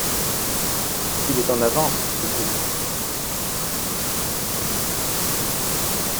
Il est en avance, ce couillon.